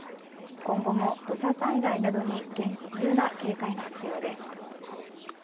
今後も土砂災害などに厳重な警戒が必要です。